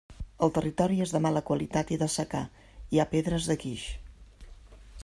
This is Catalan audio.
El territori és de mala qualitat i de secà; hi ha pedreres de guix.